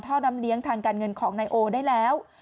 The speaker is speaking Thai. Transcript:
น้ำเลี้ยงทางการเงินของนายโอได้แล้ว